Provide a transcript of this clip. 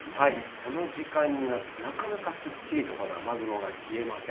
この時間に、なかなかすっきりとこの雨雲が消えません。